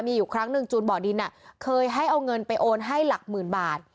มีอยู่ครั้งหนึ่งจูนบ่อดินเคยให้เอาเงินไปโอนให้หลักหมื่นบาท